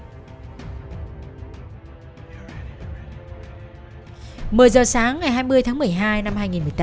một mươi h sáng ngày hai mươi tháng một mươi hai năm hai nghìn một mươi tám